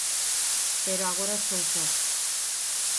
pero agora estou só".